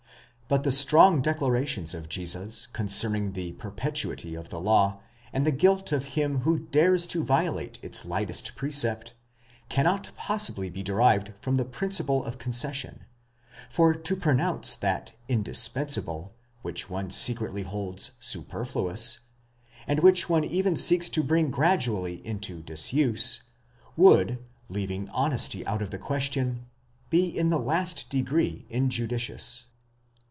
But the strong declarations of Jesus con cerning the perpetuity of the law, and the guilt of him who dares to violate its lightest precept, cannot possibly be derived from the principle of conces sion ; for to pronounce that indispensable, which one secretly holds superfluous, and which one even seeks to bring gradually into disuse, would, leaving' honesty out of the question, be in the last degree injudicious.